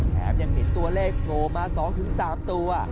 แถมยังเห็นตัวเลขโผล่มา๒๓ตัว